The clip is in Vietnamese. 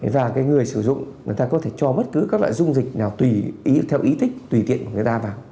và người sử dụng có thể cho bất cứ dung dịch nào theo ý thích tùy tiện của người ta vào